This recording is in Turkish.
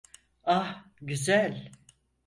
Ah, güzel.